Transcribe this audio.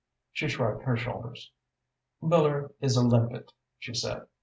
She shrugged her shoulders. "Miller is a limpet," she said.